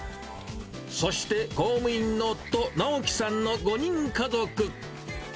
そして、公務員の夫、直樹さんの５人家族。